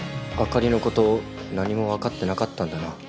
あかりのこと何も分かってなかったんだな。